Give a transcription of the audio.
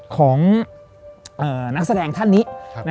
ของนักแสดงท่านนี้